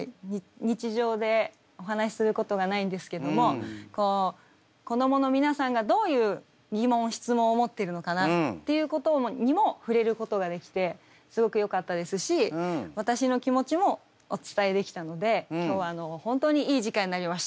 日常でお話しすることがないんですけども子どもの皆さんがどういう疑問質問を持ってるのかなっていうことにも触れることができてすごくよかったですし私の気持ちもお伝えできたので今日は本当にいい時間になりました。